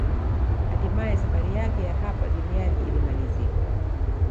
Hatimaye safari yake ya hapa duniani ilimalizika